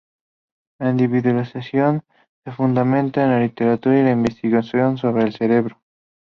La individualización se fundamenta en la literatura y la investigación sobre el cerebro.